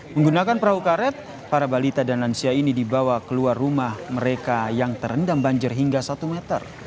menggunakan perahu karet para balita dan lansia ini dibawa keluar rumah mereka yang terendam banjir hingga satu meter